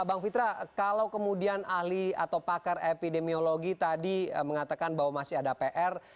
bang fitra kalau kemudian ahli atau pakar epidemiologi tadi mengatakan bahwa masih ada pr